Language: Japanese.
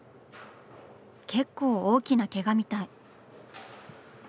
結構大きなケガみたい。